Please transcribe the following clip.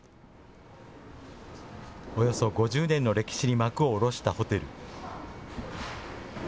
およそ５０年の歴史に幕を下ろしたホテル。